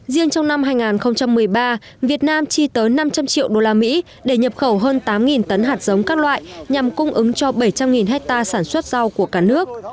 riêng trong năm hai nghìn một mươi ba việt nam chi tới năm trăm linh triệu usd để nhập khẩu hơn tám tấn hạt giống các loại nhằm cung ứng cho bảy trăm linh hectare sản xuất rau của cả nước